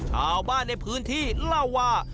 ชาวบ้านในพื้นที่เล่าว่า